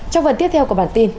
trong phần tiếp theo của bản tin